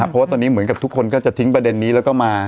เพราะว่าตอนนี้เหมือนกับทุกคนก็จะทิ้งประเด็นนี้แล้วก็มา